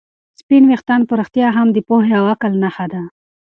سپین ویښتان په رښتیا هم د پوهې او عقل نښه ده.